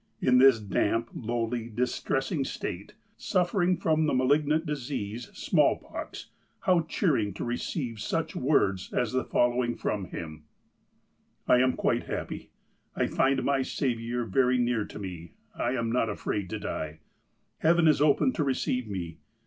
In this damp, lowly, distressing state, suffering from the malignant disease, smallpox, how cheering to receive such words as the following from him :" 'I am quite happy. I find my Saviour very near to me. I am not afraid to die. Heaven is open to receive me.